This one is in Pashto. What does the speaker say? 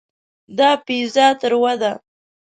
دا پیزا تروه ده.